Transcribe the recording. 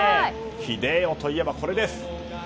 ヒデオといえば、これです。